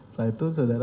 setelah itu saudara